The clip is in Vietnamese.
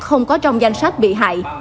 không có trong danh sách bị hại